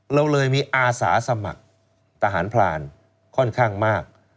เราเลยมีอาสาสมัครทหารพรานค่อนข้างมาก